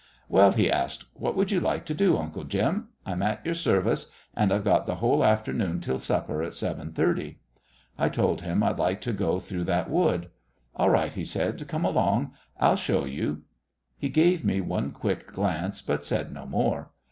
"Well," he asked, "what would you like to do, Uncle Jim? I'm at your service, and I've got the whole afternoon till supper at seven thirty." I told him I'd like to go through that wood. "All right," he said, "come along. I'll show you." He gave me one quick glance, but said no more.